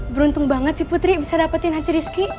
beruntung banget sih putri bisa dapetin hati rizky